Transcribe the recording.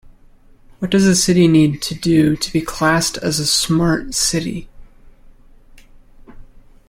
What does a city need to do to be classed as a Smart City?